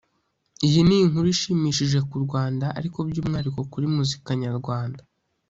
Iyi ni inkuru ishimishije ku Rwanda ariko by’umwihariko kuri muzika nyarwanda